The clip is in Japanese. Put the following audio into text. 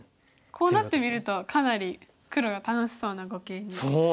こうなってみるとかなり黒が楽しそうな碁形に見えますよね。